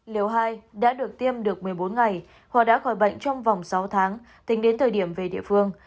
liều hai đã được tiêm được một mươi bốn ngày họ đã khỏi bệnh trong vòng sáu tháng tính đến thời điểm về địa phương